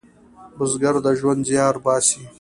بزګر د ژوند زیار باسي